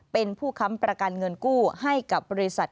เป็นผู้ค้ำประกันเงินกู้ให้กับบริษัท